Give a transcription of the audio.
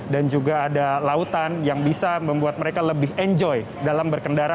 dan juga ada lautan yang bisa membuat mereka lebih enjoy dalam berkendara